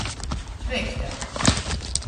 Šveikstēt.